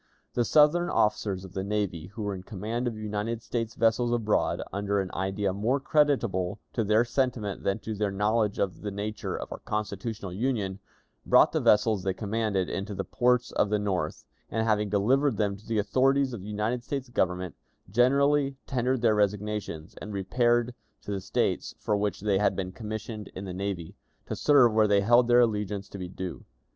The Southern officers of the navy who were in command of United States vessels abroad, under an idea more creditable to their sentiment than to their knowledge of the nature of our constitutional Union, brought the vessels they commanded into the ports of the North, and, having delivered them to the authorities of the United States Government, generally tendered their resignations, and repaired to the States from which they had been commissioned in the navy, to serve where they held their allegiance to be due.